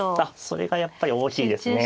それがやっぱり大きいですね。